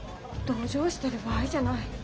同情してる場合じゃない。